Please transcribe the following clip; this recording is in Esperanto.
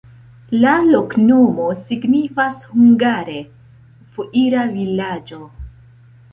La loknomo signifas hungare: foira-vilaĝo.